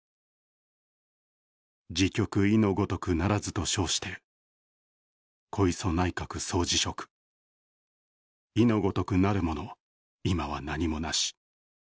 時局意のごとくならずと称して小磯内閣総辞職、意のごとくなるもの、今は何もなし。